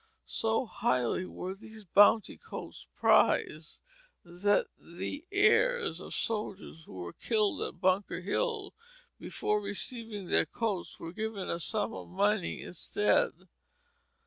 So highly were these "Bounty Coats" prized, that the heirs of soldiers who were killed at Bunker Hill before receiving their coats were given a sum of money instead.